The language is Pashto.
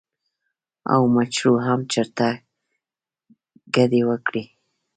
او مچرو هم چرته کډې وکړې ـ